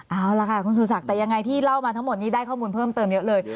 เอาล่ะค่ะคุณสุศักดิ์แต่ยังไงที่เล่ามาทั้งหมดนี้ได้ข้อมูลเพิ่มเติมเยอะเลย